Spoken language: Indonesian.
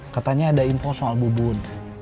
katanya ada info soal bubun